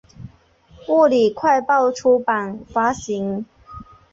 物理快报出版发行。